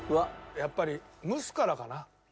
やっぱり蒸すからかな？